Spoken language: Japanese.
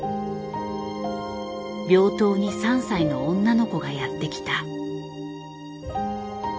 病棟に３歳の女の子がやって来た。